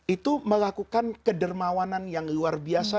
itu melakukan kedermawanan yang luar biasa